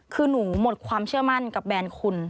คือหนูหมดความเชื่อมั่นกับแบรนด์คุณ